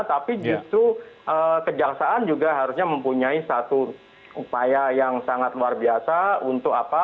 tapi justru kejaksaan juga harusnya mempunyai satu upaya yang sangat luar biasa untuk apa